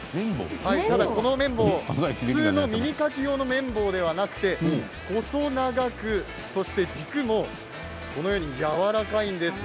この綿棒、普通の耳かき用の綿棒ではなくて細長くて、そして軸もこのようにやわらかいんです。